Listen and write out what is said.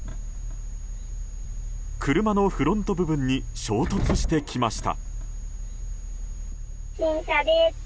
車のフロント部分に衝突してきました。